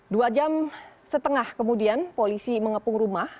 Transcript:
dua jam setengah kemudian polisi mengepung rumah